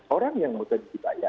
orang yang mau tergibayang